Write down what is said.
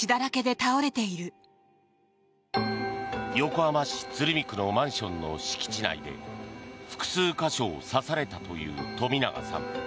横浜市鶴見区のマンションの敷地内で複数箇所を刺されたという冨永さん。